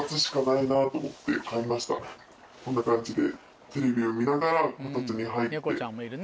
こんな感じで。